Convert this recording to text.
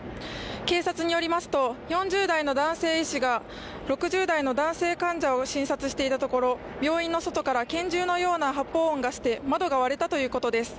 警察によりますと４０代の男性医師が６０代の男性患者を診察していたところ病院の外から拳銃のような発砲音がして、窓が割れたということです。